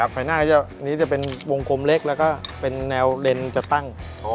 ภายหน้านี้จะเป็นวงกลมเล็กแล้วก็เป็นแนวเลนจะตั้ง